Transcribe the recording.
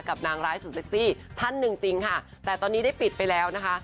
นางร้ายสุดเซ็กซี่ท่านหนึ่งจริงค่ะแต่ตอนนี้ได้ปิดไปแล้วนะคะ